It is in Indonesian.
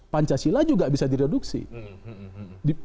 pancasila juga bisa direduksi